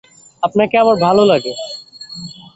আপনাকে আমার ভালো লাগে।